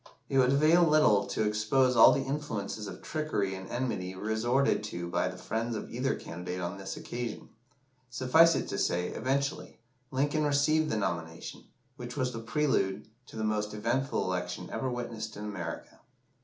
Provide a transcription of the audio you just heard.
It would avail little to expose all the influences of trickery and enmity resorted to by the friends of either candidate on this occasion suffice it to say that, eventually, Lincoln received the nomination, which was the prelude to the most eventful election ever witnessed in America.